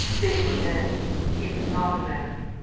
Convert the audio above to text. They were men, he was not a man.